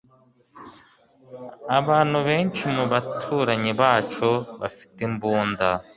Abantu benshi mubaturanyi bacu bafite imbunda.